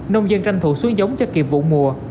nông dân tranh thủ xuống giống cho kịp vụ mùa